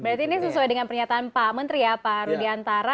berarti ini sesuai dengan pernyataan pak menteri ya pak rudiantara